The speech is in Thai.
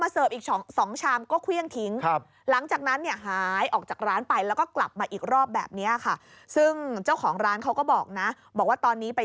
ซึ่งเขาก็บอกว่านี่เหมือนกับว่า